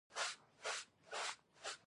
لوېدیځو سیمو ساتلو خواته واړوله.